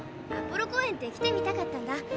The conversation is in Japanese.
アポロ公園って来てみたかったんだ。